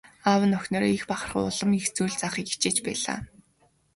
Аав нь ч охиноороо их бахархан улам их зүйл заахыг хичээж байлаа.